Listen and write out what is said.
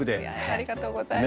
ありがとうございます。